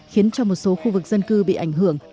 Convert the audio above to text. khiến cho một số khu vực dân cư bị ảnh hưởng